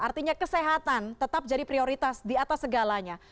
artinya kesehatan tetap jadi prioritas di atas segalanya